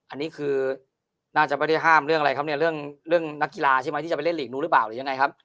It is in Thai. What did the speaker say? อันนี้คือน่าจะไม่ได้ห้ามเรื่องอะไรครับเนี่ยเรื่องนักกีฬาใช่ไหมที่จะไปเล่นหลีกรู้หรือเปล่าหรือยังไงครับ